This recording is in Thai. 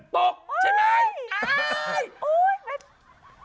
ตกใช่ไหม